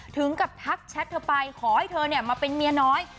ถึงกับทักแชทเธอไปขอให้เธอมาเป็นเมียน้อย